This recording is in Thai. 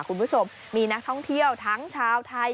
คุณผู้ชมมีนักท่องเที่ยวทั้งชาวไทย